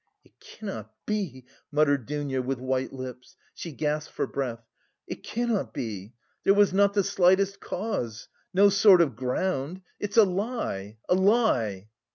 "It cannot be," muttered Dounia, with white lips. She gasped for breath. "It cannot be. There was not the slightest cause, no sort of ground.... It's a lie, a lie!"